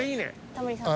タモリさん